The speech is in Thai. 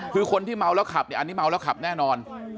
คือคนที่เมาแล้วขับเนี่ยอันนี้เมาแล้วขับแน่นอน